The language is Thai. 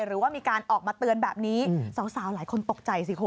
หรือว่ามีการออกมาเตือนแบบนี้สาวหลายคนตกใจสิคุณ